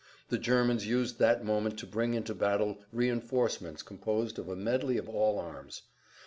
The Germans used that moment to bring into battle reinforcements composed of a medley of all arms.